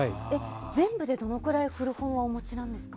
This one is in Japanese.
全部でどのくらい古本はお持ちなんですか？